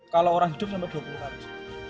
kalau orang hidup sampai dua puluh hari